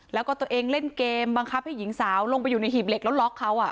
แล้วก็ตัวเองเล่นเกมบังคับให้หญิงสาวลงไปอยู่ในหีบเหล็กแล้วล็อกเขา